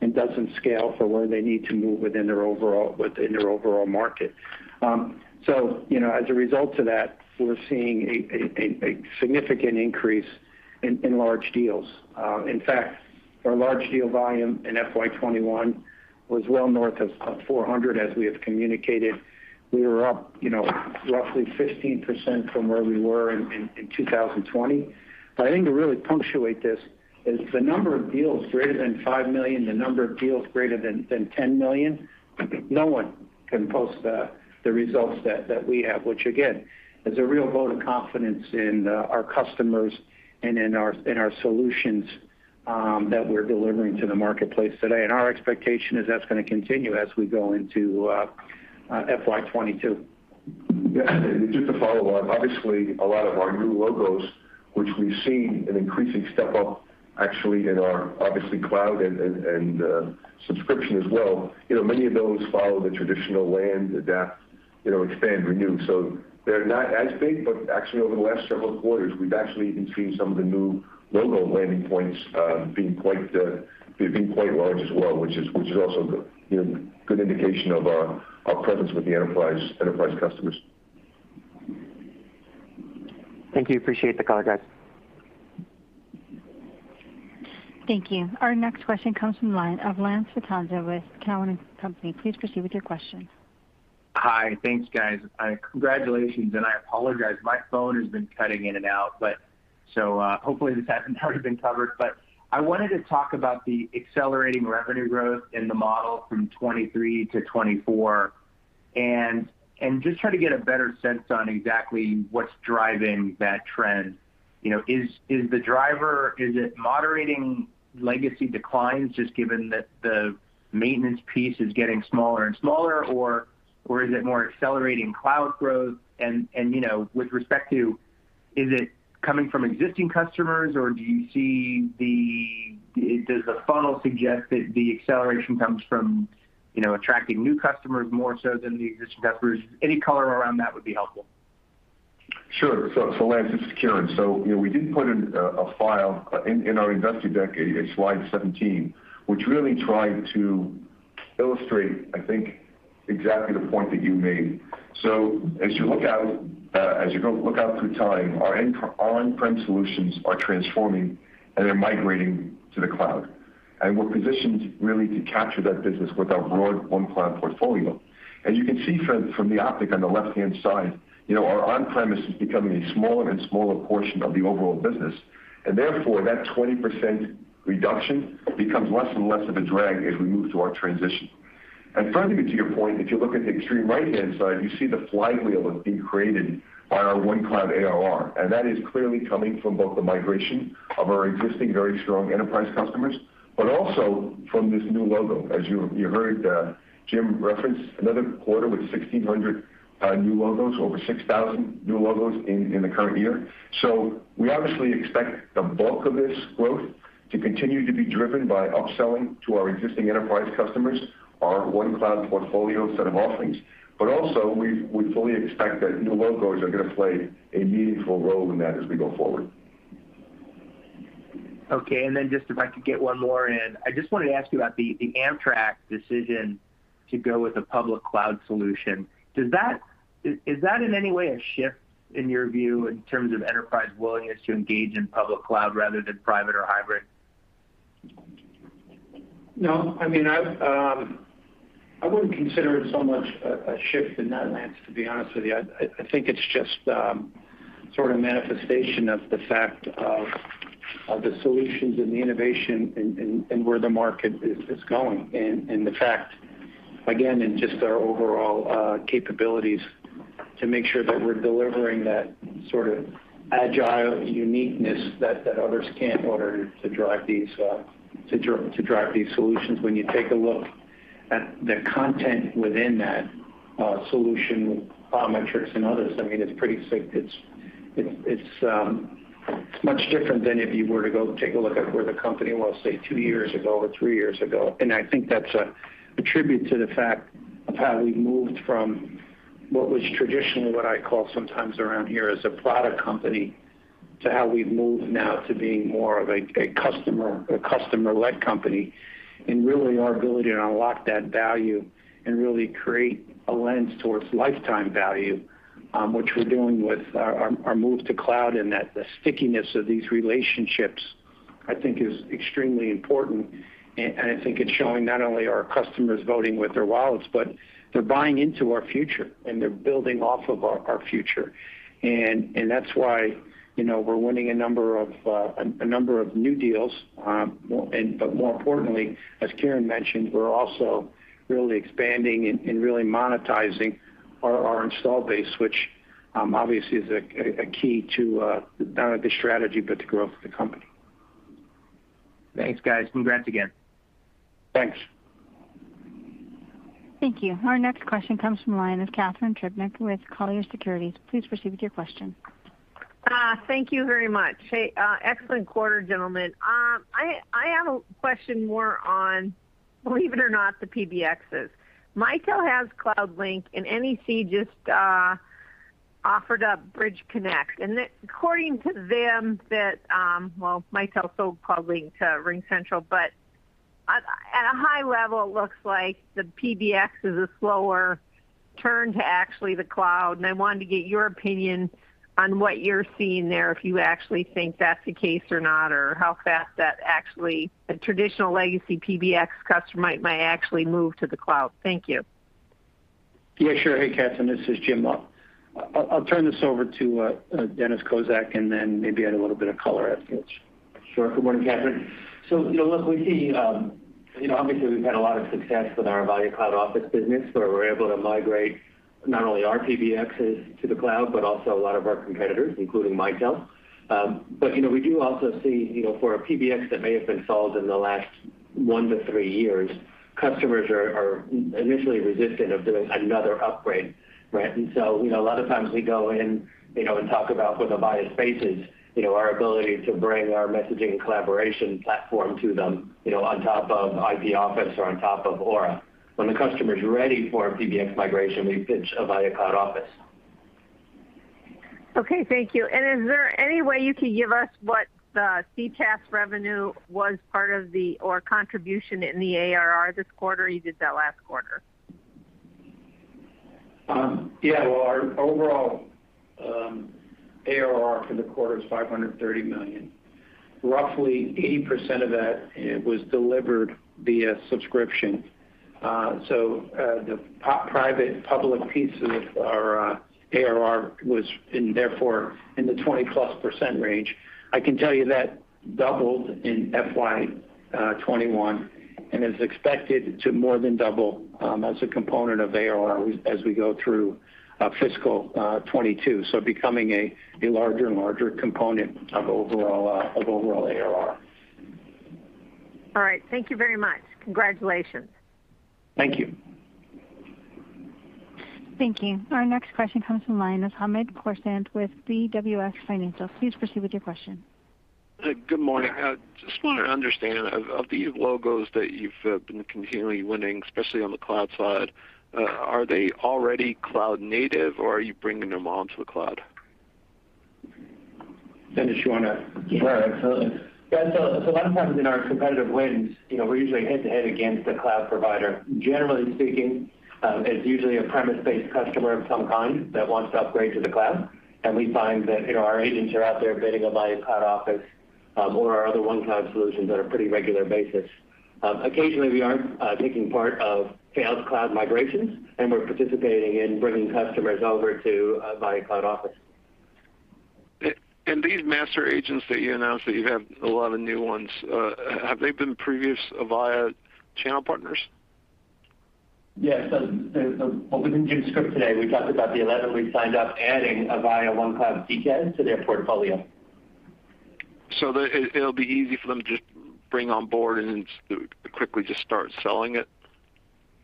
and doesn't scale for where they need to move within their overall market. You know, as a result to that, we're seeing a significant increase in large deals. In fact, our large deal volume in FY 2021 was well north of 400 as we have communicated. We were up, you know, roughly 15% from where we were in 2020. I think to really punctuate this is the number of deals greater than $5 million, the number of deals greater than $10 million, no one can post the results that we have, which again, is a real vote of confidence in our customers and in our solutions that we're delivering to the marketplace today. Our expectation is that's gonna continue as we go into FY 2022. Yeah. Just to follow on, obviously, a lot of our new logos, which we've seen an increasing step up actually in our, obviously, cloud and subscription as well, you know, many of those follow the traditional land, adapt, you know, expand, renew. They're not as big, but actually over the last several quarters, we've actually even seen some of the new logo landing points, being quite large as well, which is also a, you know, good indication of our presence with the enterprise customers. Thank you. Appreciate the color, guys. Thank you. Our next question comes from the line of Lance Vitanza with Cowen and Company. Please proceed with your question. Hi. Thanks, guys. Congratulations, and I apologize. My phone has been cutting in and out, but hopefully this hasn't already been covered. I wanted to talk about the accelerating revenue growth in the model from 2023 to 2024 and just try to get a better sense on exactly what's driving that trend. You know, is the driver moderating legacy declines just given that the maintenance piece is getting smaller and smaller, or is it more accelerating cloud growth? You know, with respect to, is it coming from existing customers, or does the funnel suggest that the acceleration comes from attracting new customers more so than the existing customers? Any color around that would be helpful. Sure. Lance, it's Kieran. You know, we did put in our investor deck, slide 17, which really tried to illustrate, I think, exactly the point that you made. As you go look out through time, our on-prem solutions are transforming, and they're migrating to the cloud. We're positioned really to capture that business with our broad OneCloud portfolio. As you can see from the graphic on the left-hand side, you know, our on-premise is becoming a smaller and smaller portion of the overall business, and therefore, that 20% reduction becomes less and less of a drag as we move through our transition. Finally, to your point, if you look at the extreme right-hand side, you see the flywheel that's being created by our OneCloud ARR, and that is clearly coming from both the migration of our existing very strong enterprise customers, but also from this new logo. As you heard, Jim reference another quarter with 1,600 new logos, over 6,000 new logos in the current year. We obviously expect the bulk of this growth to continue to be driven by upselling to our existing enterprise customers, our OneCloud portfolio set of offerings. We fully expect that new logos are gonna play a meaningful role in that as we go forward. Okay. Just if I could get one more in. I just wanted to ask you about the Amtrak decision. To go with a public cloud solution. Is that in any way a shift in your view in terms of enterprise willingness to engage in public cloud rather than private or hybrid? No. I mean, I wouldn't consider it so much a shift in that lens, to be honest with you. I think it's just sort of manifestation of the fact of the solutions and the innovation and where the market is going. The fact, again, in just our overall capabilities to make sure that we're delivering that sort of agile uniqueness that others can't in order to drive these solutions. When you take a look at the content within that solution, Biometrics and others, I mean, it's pretty sick. It's much different than if you were to go take a look at where the company was, say, two years ago or three years ago. I think that's an attribute to the fact of how we've moved from what was traditionally what I call sometimes around here as a product company to how we've moved now to being more of a customer-led company. Really our ability to unlock that value and really create a lens towards lifetime value, which we're doing with our move to cloud, and that the stickiness of these relationships, I think is extremely important. I think it's showing not only are customers voting with their wallets, but they're buying into our future and they're building off of our future. That's why, you know, we're winning a number of new deals. More importantly, as Kieran mentioned, we're also really expanding and really monetizing our installed base, which obviously is a key to not only the strategy but the growth of the company. Thanks, guys. Congrats again. Thanks. Thank you. Our next question comes from the line of Catharine Trebnick with Colliers Securities. Please proceed with your question. Thank you very much. Hey, excellent quarter, gentlemen. I have a question more on, believe it or not, the PBXs. Mitel has CloudLink and NEC just offered up Blue Connect. Then according to them that, well, Mitel sold CloudLink to RingCentral, but at a high level, it looks like the PBX is a slower turn to actually the cloud. I wanted to get your opinion on what you're seeing there, if you actually think that's the case or not, or how fast a traditional legacy PBX customer might actually move to the cloud. Thank you. Yeah, sure. Hey, Catharine, this is Jim. I'll turn this over to Dennis Kozak and then maybe add a little bit of color afterwards. Sure. Good morning, Catharine. You know, look, we see, you know, obviously we've had a lot of success with our Avaya Cloud Office business, where we're able to migrate not only our PBXs to the cloud, but also a lot of our competitors, including Mitel. But you know, we do also see, you know, for a PBX that may have been sold in the last one to three years, customers are initially resistant to doing another upgrade, right? You know, a lot of times we go in, you know, and talk about what Avaya Spaces, you know, our ability to bring our messaging and collaboration platform to them, you know, on top of IP Office or on top of Aura. When the customer is ready for a PBX migration, we pitch Avaya Cloud Office. Okay, thank you. Is there any way you can give us what the CCaaS revenue was part of the overall contribution in the ARR this quarter? You did that last quarter. Our overall ARR for the quarter is $530 million. Roughly 80% of that was delivered via subscription. The private-public piece of our ARR was, therefore, in the 20%+ range. I can tell you that doubled in FY 2021 and is expected to more than double as a component of ARR as we go through fiscal 2022. Becoming a larger and larger component of overall ARR. All right. Thank you very much. Congratulations. Thank you. Thank you. Our next question comes from the line of Hamed Khorsand with BWS Financial. Please proceed with your question. Good morning. I just want to understand of the logos that you've been continually winning, especially on the cloud side, are they already cloud native, or are you bringing them on to the cloud? Dennis, you wanna- Yeah, absolutely. Yeah. A lot of times in our competitive wins, you know, we're usually head-to-head against a cloud provider. Generally speaking, it's usually a premise-based customer of some kind that wants to upgrade to the cloud. We find that, you know, our agents are out there bidding Avaya Cloud Office or our other OneCloud solutions on a pretty regular basis. Occasionally we are taking part of failed cloud migrations, and we're participating in bringing customers over to Avaya Cloud Office. These master agents that you announced that you have a lot of new ones, have they been previous Avaya channel partners? Yes. What we didn't discuss today, we talked about the 11 we signed up adding Avaya OneCloud CCaaS to their portfolio. It'll be easy for them to just bring on board and then just to quickly just start selling it?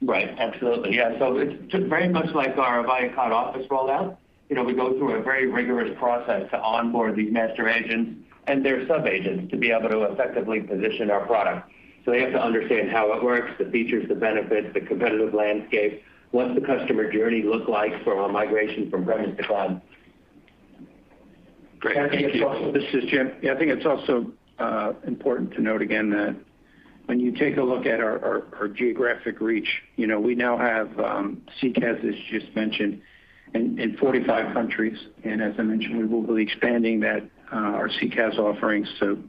Right. Absolutely. Yeah. It's very much like our Avaya Cloud Office rollout. You know, we go through a very rigorous process to onboard these master agents and their sub-agents to be able to effectively position our product. They have to understand how it works, the features, the benefits, the competitive landscape. What's the customer journey look like from a migration from premises to cloud? Great. Thank you. This is Jim. Yeah, I think it's also important to note again that when you take a look at our geographic reach, you know, we now have CCaaS, as you just mentioned, in 45 countries, and as I mentioned, we will be expanding that, our CCaaS offerings to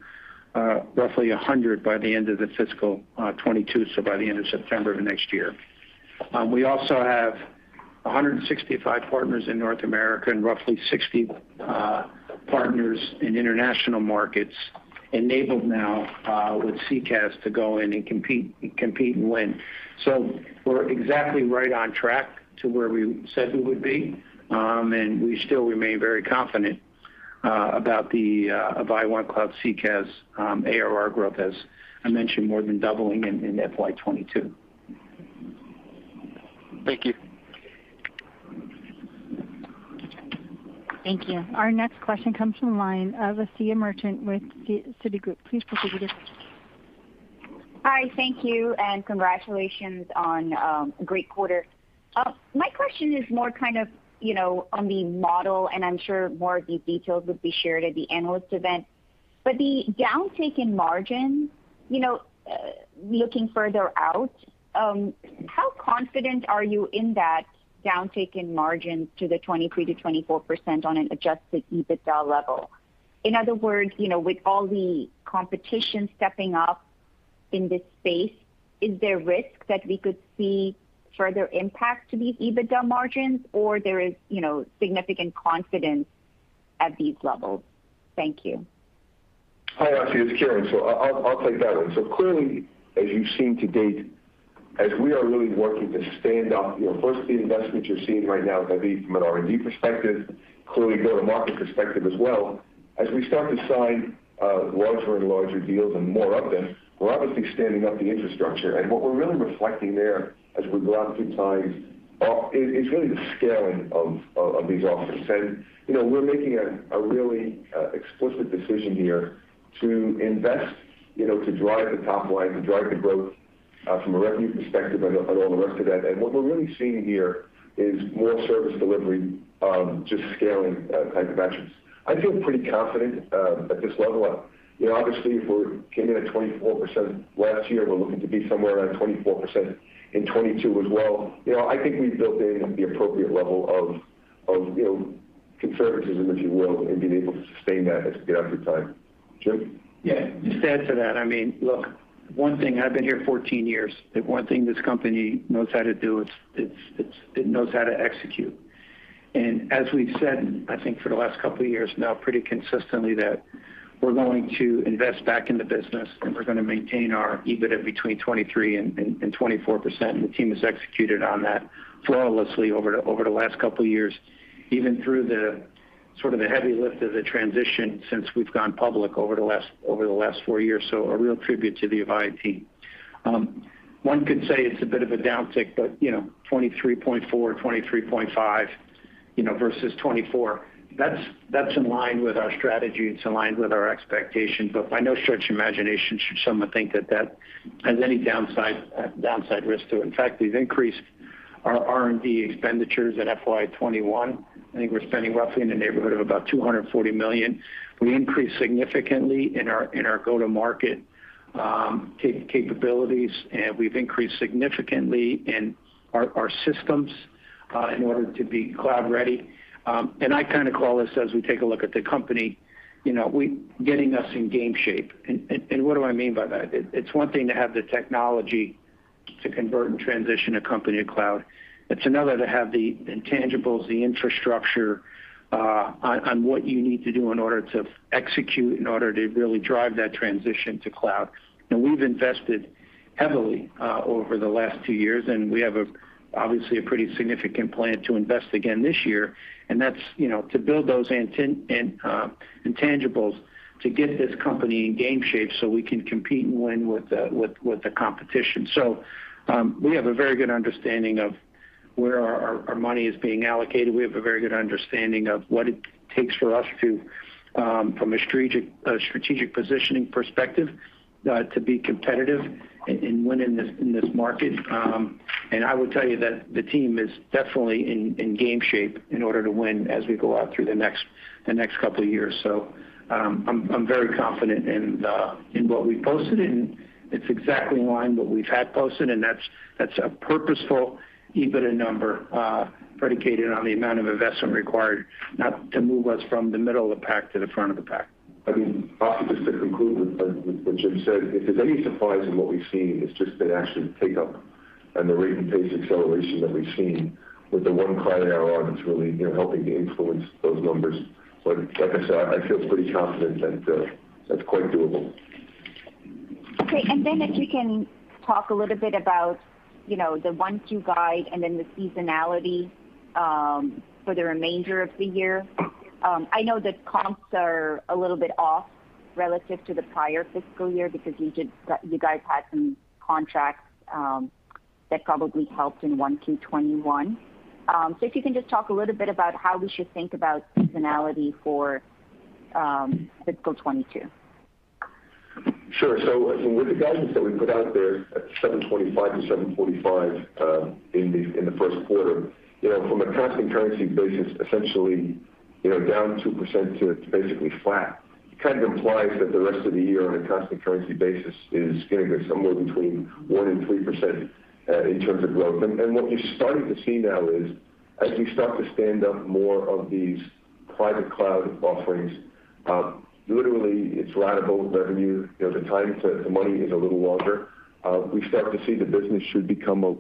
roughly 100 by the end of the fiscal 2022, so by the end of September of next year. We also have 165 partners in North America and roughly 60 partners in international markets enabled now with CCaaS to go in and compete and win. We're exactly right on track to where we said we would be, and we still remain very confident about Avaya OneCloud CCaaS ARR growth, as I mentioned, more than doubling in FY 2022. Thank you. Thank you. Our next question comes from the line of Asiya Merchant with Citigroup. Please proceed with your question. Hi, thank you, and congratulations on a great quarter. My question is more kind of, you know, on the model, and I'm sure more of these details will be shared at the analyst event. The downtick in margins, you know, looking further out, how confident are you in that downtick in margins to the 23%-24% on an adjusted EBITDA level? In other words, you know, with all the competition stepping up in this space, is there risk that we could see further impact to these EBITDA margins, or there is, you know, significant confidence at these levels? Thank you. Hi, Asiya, this is Kieran. I'll take that one. Clearly, as you've seen to date, as we are really working to stand up, you know, firstly, the investments you're seeing right now have been from an R&D perspective, clearly go-to-market perspective as well. As we start to sign larger and larger deals and more of them, we're obviously standing up the infrastructure. What we're really reflecting there as we go out through time is really the scaling of these offers. You know, we're making a really explicit decision here to invest, you know, to drive the top line, to drive the growth from a revenue perspective and all the rest of that. What we're really seeing here is more service delivery just scaling type of actions. I feel pretty confident at this level. You know, obviously, if we came in at 24% last year, we're looking to be somewhere around 24% in 2022 as well. You know, I think we've built in the appropriate level of you know, conservatism, if you will, in being able to sustain that as we get out through time. Jim? Yeah. Just to add to that, I mean, look, one thing. I've been here 14 years. The one thing this company knows how to do, it knows how to execute. As we've said, I think for the last couple of years now pretty consistently, that we're going to invest back in the business, and we're gonna maintain our EBITDA between 23% and 24%. The team has executed on that flawlessly over the last couple of years, even through the sort of heavy lift of the transition since we've gone public over the last four years. A real tribute to the Avaya OneCloud team. One could say it's a bit of a downtick, but you know, 23.4%, 23.5%, you know, versus 24%, that's in line with our strategy. It's aligned with our expectations. By no stretch of imagination should someone think that that has any downside risk to it. In fact, we've increased our R&D expenditures in FY 2021. I think we're spending roughly in the neighborhood of about $240 million. We increased significantly in our go-to-market capabilities, and we've increased significantly in our systems in order to be cloud ready. I kind of call this, as we take a look at the company, you know, we're getting us in game shape. What do I mean by that? It's one thing to have the technology to convert and transition a company to cloud. It's another to have the intangibles, the infrastructure, what you need to do in order to execute, in order to really drive that transition to cloud. We've invested heavily over the last two years, and we have obviously a pretty significant plan to invest again this year. That's to build those intangibles to get this company in game shape so we can compete and win with the competition. We have a very good understanding of where our money is being allocated. We have a very good understanding of what it takes for us to from a strategic positioning perspective to be competitive and win in this market. I would tell you that the team is definitely in game shape in order to win as we go out through the next couple of years. I'm very confident in what we posted, and it's exactly in line what we've had posted, and that's a purposeful EBITDA number, predicated on the amount of investment required to move us from the middle of the pack to the front of the pack. I mean, Asiya, just to conclude with what Jim said, if there's any surprise in what we've seen, it's just the actual take-up and the rate and pace acceleration that we've seen with the OneCloud ARR that's really, you know, helping to influence those numbers. But like I said, I feel pretty confident that that's quite doable. Okay. If you can talk a little bit about, you know, the OneCloud guide and then the seasonality for the remainder of the year. I know the comps are a little bit off relative to the prior fiscal year because you guys had some contracts that probably helped in 1Q 2021. If you can just talk a little bit about how we should think about seasonality for fiscal 2022. Sure. With the guidance that we put out there at $725-$745, in the first quarter, you know, from a constant currency basis, essentially, you know, down 2% to basically flat, kind of implies that the rest of the year on a constant currency basis is going to grow somewhere between 1% and 3%, in terms of growth. What you're starting to see now is as we start to stand up more of these private cloud offerings, literally it's ratable revenue. You know, the time to money is a little longer. We start to see the business should become a,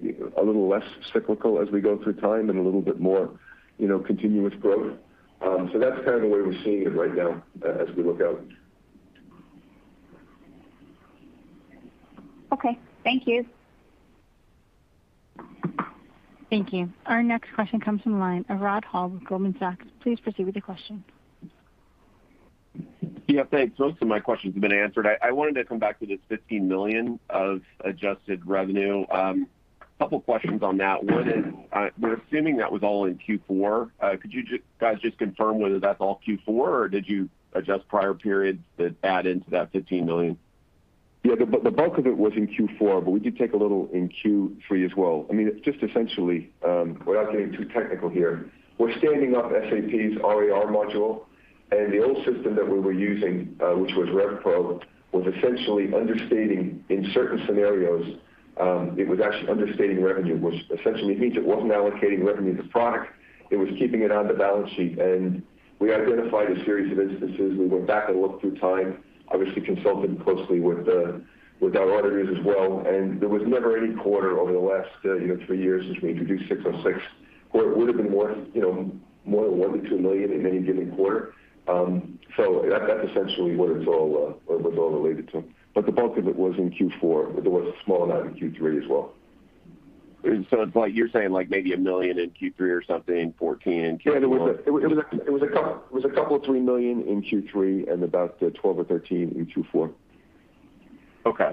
you know, a little less cyclical as we go through time and a little bit more, you know, continuous growth. That's kind of the way we're seeing it right now as we look out. Okay, thank you. Thank you. Our next question comes from the line of Rod Hall with Goldman Sachs. Please proceed with your question. Yeah, thanks. Most of my questions have been answered. I wanted to come back to this $15 million of adjusted revenue. A couple of questions on that. One is, we're assuming that was all in Q4. Could you guys just confirm whether that's all Q4, or did you adjust prior periods that add into that $15 million? Yeah. The bulk of it was in Q4, but we did take a little in Q3 as well. I mean, it's just essentially without getting too technical here, we're standing up SAP's RAR module, and the old system that we were using, which was RevPro, was essentially understating in certain scenarios, it was actually understating revenue, which essentially means it wasn't allocating revenue to product. It was keeping it on the balance sheet. We identified a series of instances. We went back and looked through time, obviously consulted closely with our auditors as well. There was never any quarter over the last three years since we introduced 606, where it would have been more than $1 million-$2 million in any given quarter. That's essentially what it's all, or was all related to. The bulk of it was in Q4, but there was a small amount in Q3 as well. It's like you're saying, like maybe $1 million in Q3 or something, 14, Q1. Yeah. There was a couple $3 million in Q3 and about $12 million or $13 million in Q4. Okay.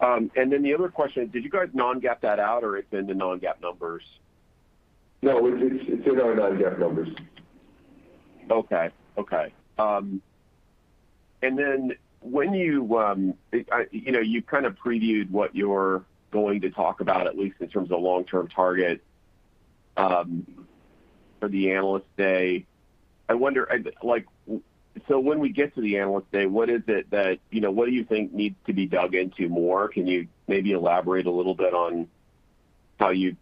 The other question, did you guys non-GAAP that out or it's in the non-GAAP numbers? No. It's in our non-GAAP numbers. Okay. Then when you know, you kind of previewed what you're going to talk about, at least in terms of long-term target, for the Analyst Day. I wonder, like, so when we get to the Analyst Day, what is it that, you know, what do you think needs to be dug into more? Can you maybe elaborate a little bit on how you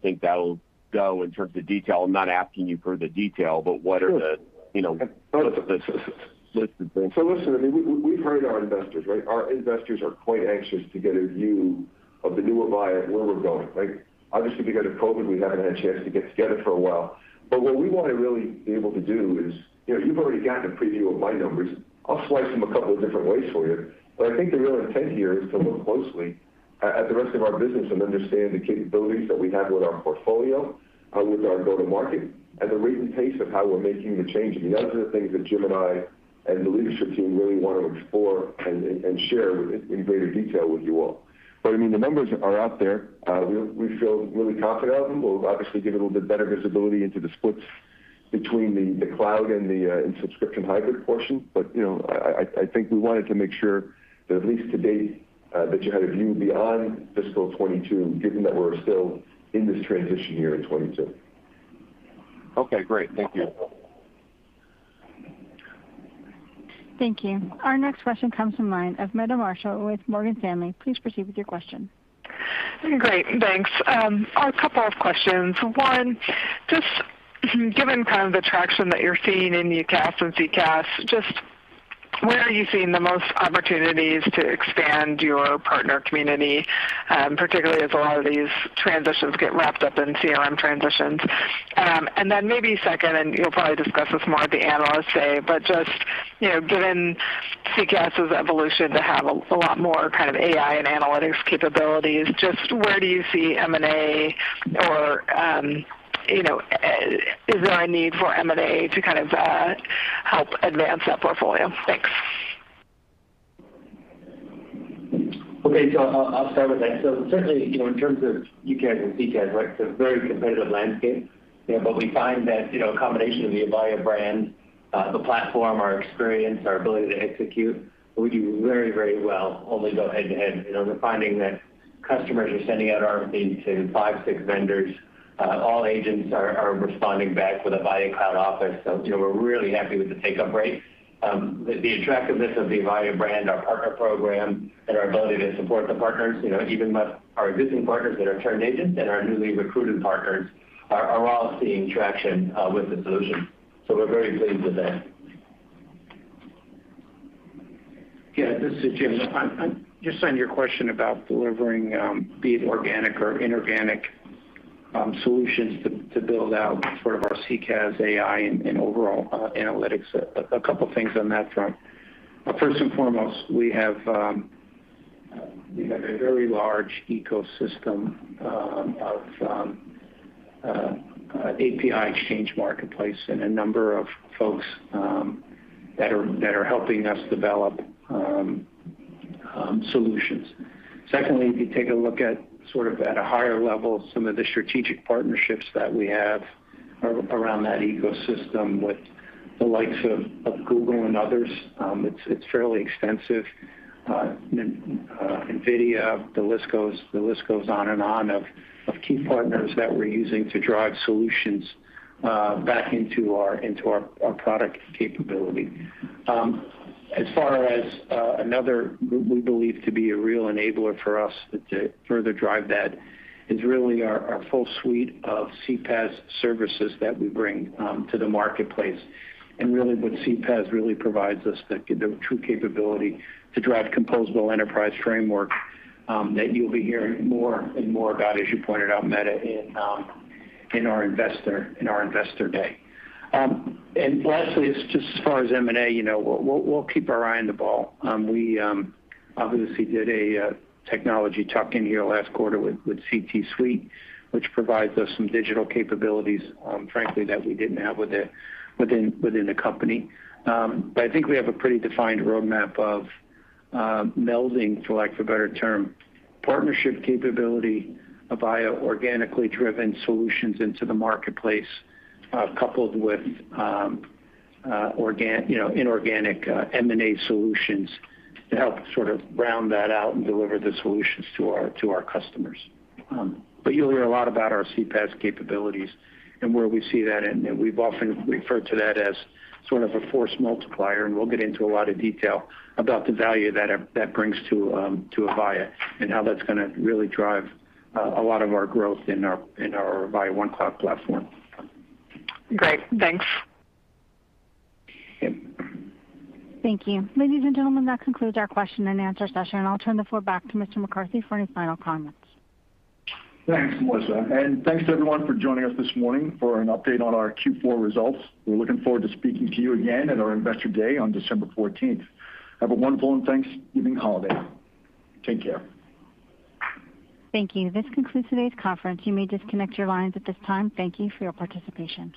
think that'll go in terms of detail? I'm not asking you for the detail, but what are the- Sure. You know, listed things. Listen, I mean, we've heard our investors, right? Our investors are quite anxious to get a view of the new Avaya, where we're going, right? Obviously, because of COVID, we haven't had a chance to get together for a while. What we want to really be able to do is, you know, you've already gotten a preview of my numbers. I'll slice them a couple of different ways for you. I think the real intent here is to look closely at the rest of our business and understand the capabilities that we have with our portfolio, with our go-to-market, and the recent pace of how we're making the change. I mean, those are the things that Jim and I and the leadership team really want to explore and share in greater detail with you all. I mean, the numbers are out there. We feel really confident of them. We'll obviously give a little bit better visibility into the splits between the cloud and the subscription hybrid portion. You know, I think we wanted to make sure that at least to date that you had a view beyond fiscal 2022, given that we're still in this transition year in 2022. Okay, great. Thank you. Thank you. Our next question comes from the line of Meta Marshall with Morgan Stanley. Please proceed with your question. Great. Thanks. A couple of questions. One, just given kind of the traction that you're seeing in UCaaS and CCaaS, just where are you seeing the most opportunities to expand your partner community, particularly as a lot of these transitions get wrapped up in CRM transitions? Then maybe second, you'll probably discuss this more at the Analyst Day, but just, you know, given CCaaS's evolution to have a lot more kind of AI and analytics capabilities, just where do you see M&A or, you know, is there a need for M&A to kind of help advance that portfolio? Thanks. Okay, I'll start with that. Certainly, you know, in terms of UCaaS and CCaaS, right? It's a very competitive landscape. You know, but we find that, you know, a combination of the Avaya brand, the platform, our experience, our ability to execute, we do very, very well when we go head-to-head. You know, we're finding that customers are sending out RFPs to five, six vendors. All agents are responding back with Avaya Cloud Office. You know, we're really happy with the take-up rate. The attractiveness of the Avaya brand, our partner program, and our ability to support the partners, you know, even our existing partners that are trained agents and our newly recruited partners are all seeing traction with the solution. We're very pleased with that. Yeah, this is Jim. I'm just on your question about delivering, be it organic or inorganic, solutions to build out sort of our CCaaS, AI, and overall analytics. A couple of things on that front. First and foremost, we have a very large ecosystem of API Exchange marketplace and a number of folks that are helping us develop solutions. Secondly, if you take a look at sort of a higher level, some of the strategic partnerships that we have around that ecosystem with the likes of Google and others, it's fairly extensive. NVIDIA, the list goes on and on of key partners that we're using to drive solutions back into our product capability. As far as another we believe to be a real enabler for us to further drive that is really our full suite of CPaaS services that we bring to the marketplace. Really what CPaaS really provides us the true capability to drive composable enterprise framework that you'll be hearing more and more about, as you pointed out, Meta, in our Investor Day. Lastly is just as far as M&A, you know, we'll keep our eye on the ball. We obviously did a technology tuck-in here last quarter with CTIntegrations, which provides us some digital capabilities, frankly, that we didn't have within the company. I think we have a pretty defined roadmap of melding, for lack of a better term, partnership capability, Avaya organically driven solutions into the marketplace, coupled with, you know, inorganic, M&A solutions to help sort of round that out and deliver the solutions to our customers. You'll hear a lot about our CPaaS capabilities and where we see that, and we've often referred to that as sort of a force multiplier, and we'll get into a lot of detail about the value that that brings to Avaya and how that's gonna really drive a lot of our growth in our Avaya OneCloud platform. Great. Thanks. Yep. Thank you. Ladies and gentlemen, that concludes our question and answer session, and I'll turn the floor back to Mr. McCarthy for any final comments. Thanks, Melissa, and thanks to everyone for joining us this morning for an update on our Q4 results. We're looking forward to speaking to you again at our Investor Day on December 14th. Have a wonderful Thanksgiving holiday. Take care. Thank you. This concludes today's conference. You may disconnect your lines at this time. Thank you for your participation.